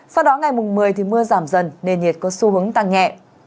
sau đó ngày mùng một mươi thì mưa giảm dần nền nhiệt có xu hướng tăng nhẹ